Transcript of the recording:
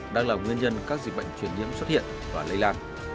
đang là nguyên nhân các dịch bệnh truyền nhiễm xuất hiện và lây lan